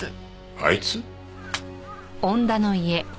あいつ？